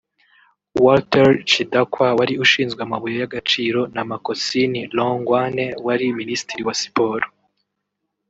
Walter Chidhakwa wari ushinzwe amabuye y’agaciro na Makhosini Hlongwane wari Minisitiri wa Siporo